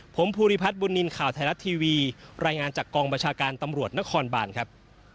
ผมภูริพัฒน์บุญนินทร์ข่าวไทยรัฐทีวีรายงานจากกองบัญชาการตำรวจนครบานครับ